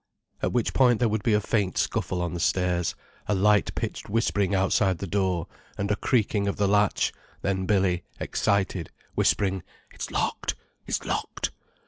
At which point there would be a faint scuffle on the stairs, a light pitched whispering outside the door, and a creaking of the latch: then Billy, excited, whispering: "It's locked—it's locked."